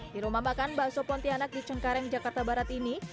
di rumah makan bakso pontianak di cengkareng jakarta barat ini